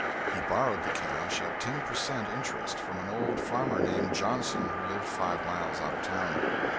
He borrowed the cash at ten per cent. interest, from an old farmer named Johnson who lived five miles out of town.